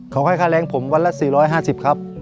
เขาให้ค่าแรงผมวันละ๔๕๐ครับ